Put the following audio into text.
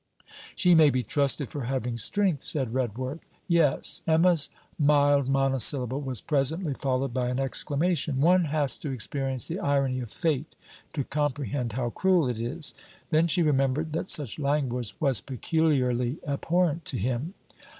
'She may be trusted for having strength,' said Redworth.' 'Yes.' Emma's mild monosyllable was presently followed by an exclamation: 'One has to experience the irony of Fate to comprehend how cruel it is!' Then she remembered that such language was peculiarly abhorrent to him.